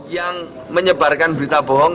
yang menyebarkan berita bohong